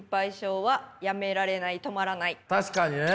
確かにね。